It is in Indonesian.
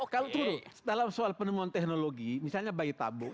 kalau turun dalam soal penemuan teknologi misalnya bayi tabung